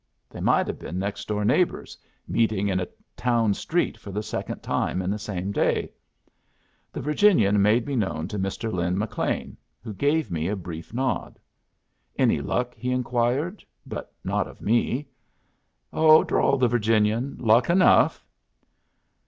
They might have been next door neighbors, meeting in a town street for the second time in the same day. The Virginian made me known to Mr. Lin McLean, who gave me a brief nod. "Any luck?" he inquired, but not of me. "Oh," drawled the Virginian, "luck enough."